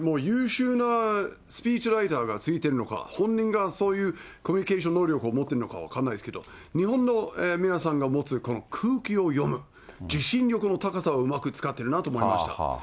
優秀なスピーチライターがついてるのか、本人がそういうコミュニケーション能力を持ってるのか分かんないですけど、日本の皆さんが持つ、この空気を読む、受信力の高さをうまく使ってるなと思いました。